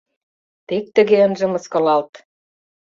Тек тыге ынже мыскылалт.